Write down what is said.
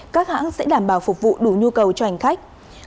các hãng sẽ đảm bảo phục vụ đủ nhu cầu cho hành khách